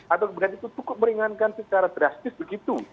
atau kemudian itu cukup meringankan secara drastis begitu